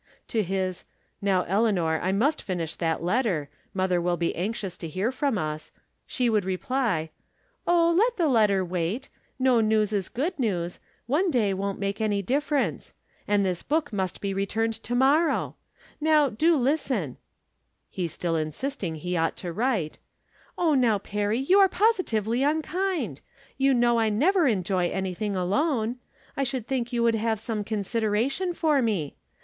To his, " Now, Eleanor, I must finish that let ter ; mother will be anxious to hear from us," she would reply : From Different Standpoints. 213 " Oh, let the letter wait ; no news is good news ; one day won't make any difference ; and this book must be returned to morrow. Now, do listen "— he still insisting he ought to write —" Oh, now. Perry, you are positively unkind. You know I never enjoy anything alone. I should tlnnk you would have some consideration for me.